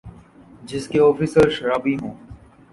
جس کے آفیسر شرابی ہوں